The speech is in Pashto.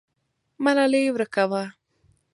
ملالۍ ورکه وه.